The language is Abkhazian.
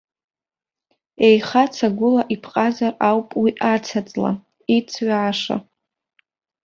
Еиха цагәыла иԥҟазар ауп уи аца-ҵла, иҵҩааша.